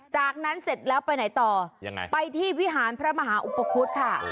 จากนั้นเสร็จแล้วไปไหนต่อยังไงไปที่วิหารพระมหาอุปคุฎค่ะ